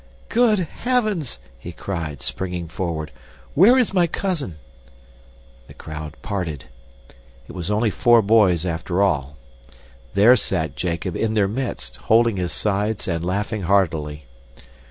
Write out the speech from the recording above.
"Good heavens!" he cried, springing forward, "where is my cousin?" The crowd parted. It was only four boys, after all. There sat Jacob in their midst, holding his sides and laughing heartily.